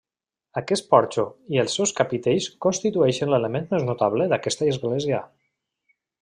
Aquest porxo i els seus capitells constitueixen l'element més notable d'aquesta església.